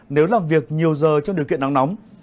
nếu làm việc nhiều giờ trong điều kiện nắng nóng